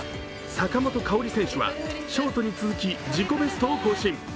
坂本花織選手はショートに続き自己ベストを更新。